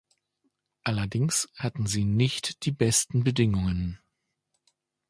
Allerdings hatten sie nicht die besten Bedingungen.